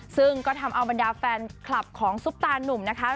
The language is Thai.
ซึ่งก็ทำเอาบรรดาแฟนคลับของซุปตานุ่มนะคะ